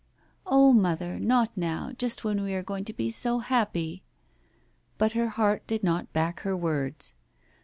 "Oh, mother, not now, just when we are going to be so happy." But her heart did not back her words.